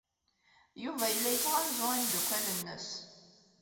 Yuba yella yettɣanzu imeddukal-nnes.